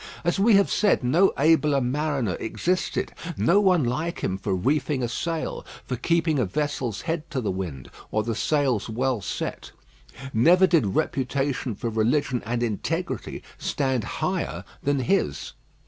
As we have said, no abler mariner existed; no one like him for reefing a sail, for keeping a vessel's head to the wind, or the sails well set. Never did reputation for religion and integrity stand higher than his.